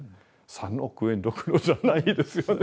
３億円どころじゃないですよね。